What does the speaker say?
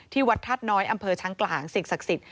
ที่วัดทัศน้อยอำเภอช่างกล่างสิ่งศักดิ์สิทธิ์